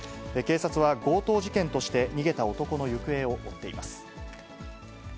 警察は、強盗事件として、逃げた男の行方を追っています。